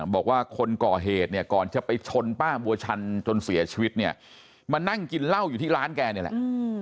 บอกว่าคนก่อเหตุเนี่ยก่อนจะไปชนป้าบัวชันจนเสียชีวิตเนี่ยมานั่งกินเหล้าอยู่ที่ร้านแกนี่แหละ